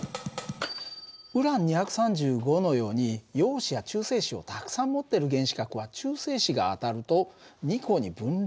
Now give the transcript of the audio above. ウラン２３５のように陽子や中性子をたくさん持ってる原子核は中性子が当たると２個に分裂してしまう。